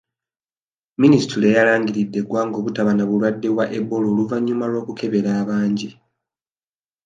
Minisitule yalangiridde eggwanga obutaba na bulwadde bwa Ebola oluvanyuma lw'okukebera abangi.